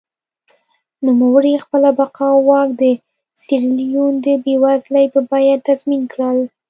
نوموړي خپله بقا او واک د سیریلیون د بېوزلۍ په بیه تضمین کړل.